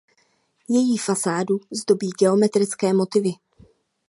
Její fasádu zdobí geometrické motivy.